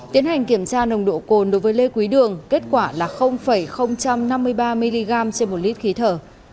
tiến hành kiểm tra nồng độ cồn đối với lê quý đường kết quả là năm mươi ba mg trên một lít khí thở